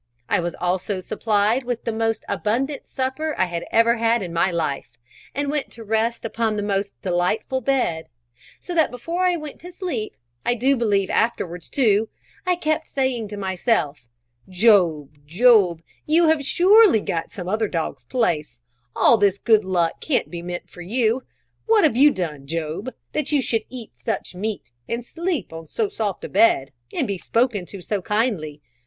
I was also supplied with the most abundant supper I had ever had in my life, and went to rest upon the most delightful bed; so that before I went to sleep, and I do believe afterwards too, I kept saying to myself, "Job, Job, you have surely got some other dog's place; all this good luck can't be meant for you; what have you done, Job, that you should eat such meat, and sleep on so soft a bed, and be spoken to so kindly?